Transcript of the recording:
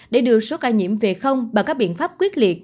để đưa số ca nhiễm về không bằng các biện pháp quyết liệt